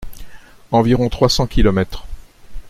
Environ trois cents kilomètres.